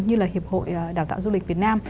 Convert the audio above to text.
như là hiệp hội đào tạo du lịch việt nam